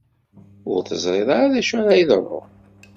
Ur teẓriḍ ara d acu ara yeḍrun?